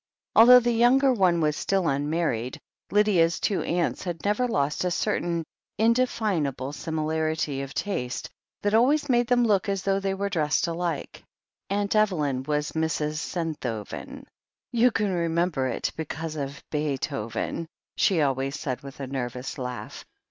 Although the younger one was still unmarried, Lydia's two aunts had never lost a certain indefinable similarity THE HEEL OF ACHILLES 5 of taste that always made them look as though they were dressed alike. Aunt Evelyn was Mrs. Senthoven. 'Tfou can remember it because of Beethoven," she always said, with a nervous laugh.